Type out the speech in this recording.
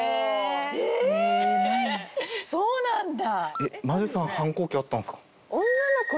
そうなんだ。